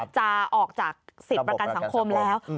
จะออกจากสิทธิ์ประกันสังคมแล้ว